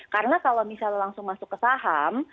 karena kalau misalnya langsung masuk ke saham